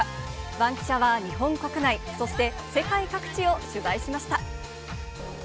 バンキシャは日本国内、そして世界各地を取材しました。